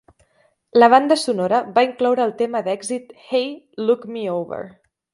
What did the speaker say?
La banda sonora va incloure el tema d'èxit Hey, Look Me Over.